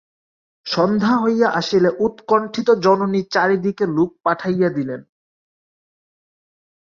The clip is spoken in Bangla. সন্ধ্যা হইয়া আসিলে উৎকন্ঠিত জননী চারি দিকে লোক পাঠাইয়া দিলেন।